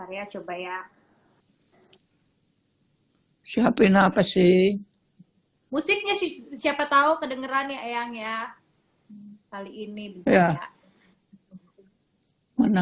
karya coba ya siapin apa sih musiknya sih siapa tahu kedengarannya yang ya kali ini ya mana